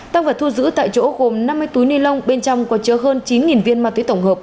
tăng vật thu giữ tại chỗ gồm năm mươi túi ni lông bên trong có chứa hơn chín viên ma túy tổng hợp